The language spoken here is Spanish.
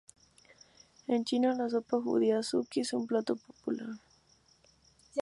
En China la sopa de judía "azuki" es un plato popular.